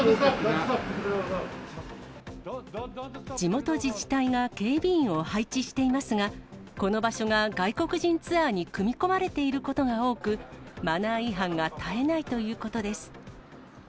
地元自治体が警備員を配置していますが、この場所が外国人ツアーに組み込まれていることが多く、マナー違反が絶えないということです。